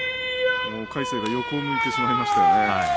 魁聖が横を向いてしまいましたね。